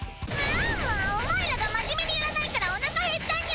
ああもうお前らが真面目にやらないからおなか減ったにゃ。